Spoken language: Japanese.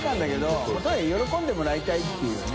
箸砲喜んでもらいたいっていうね。